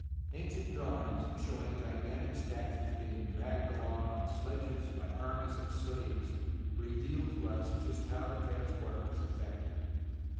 Ancient drawings showing gigantic statues being dragged along on sledges by armies of slaves, reveal to us how the transport was effected.